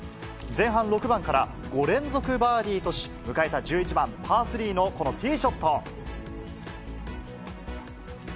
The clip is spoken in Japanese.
前半６番から５連続バーディーとし、迎えた１１番パー３のこのティーショット。